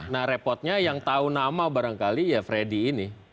nah repotnya yang tahu nama barangkali ya freddy ini